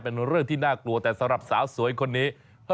เป็นเรื่องที่น่ากลัวแต่สำหรับสาวสวยคนนี้